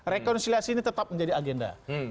rekonsiliasi ini tetap menjadi agenda